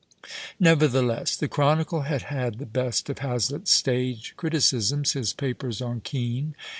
Nevertheless, the Chronicle had had the best of Hazlitt"s stage criticisms, his papers on Kean.